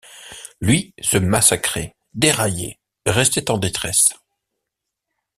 Lui, se massacrait, déraillait, restait en détresse.